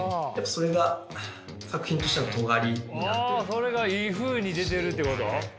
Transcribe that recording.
あそれがいいふうに出てるってこと？